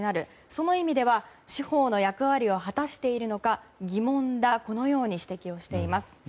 その意味では司法の役割を果たしているのか疑問だと指摘をしています。